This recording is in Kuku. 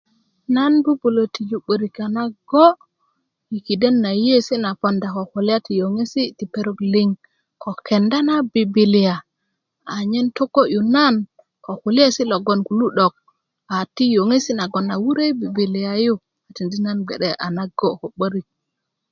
nan bubulö tiju 'börik a nago i kiden na yeiyesi na ponda ko kulya ti yoŋesi ti perok liŋ ko kenda na bibilia anyen togo'yu nan ko kulyesi logon kulu 'dok a ti yoŋesi logon a wurö i bibilia yu tindi nan bge'de a nago ko 'börik